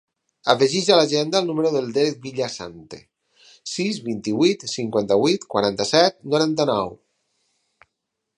Afegeix a l'agenda el número del Derek Villasante: sis, vint-i-vuit, cinquanta-vuit, quaranta-set, noranta-nou.